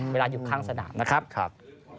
เวลาอยู่ข้างสถานานะครับ